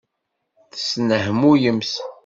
Tesnehmuyemt.